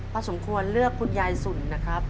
สมควรเลือกคุณยายสุนนะครับ